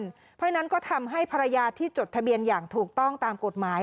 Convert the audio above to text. เพราะฉะนั้นก็ทำให้ภรรยาที่จดทะเบียนอย่างถูกต้องตามกฎหมาย